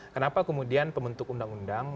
kenapa kemudian pembentuk undang undang